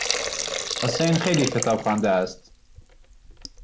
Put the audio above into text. حسین خیلی کتاب خوانده است.